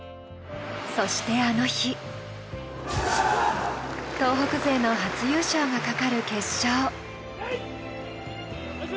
そしてあの日東北勢の初優勝がかかる決勝。